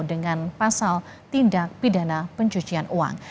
dengan pasal tindak pidana pencucian uang